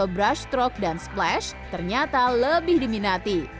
brushstroke dan splash ternyata lebih diminati